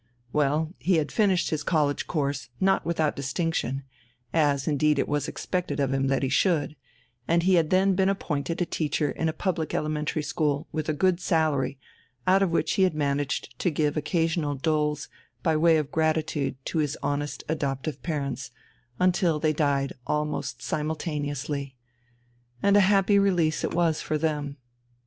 Well, he had finished his college course not without distinction, as indeed it was expected of him that he should, and he had then been appointed a teacher in a public elementary school, with a good salary, out of which he had managed to give occasional doles by way of gratitude to his honest adoptive parents, until they died almost simultaneously. And a happy release it was for them!